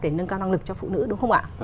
để nâng cao năng lực cho phụ nữ đúng không ạ